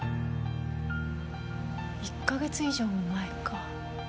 一か月以上も前か。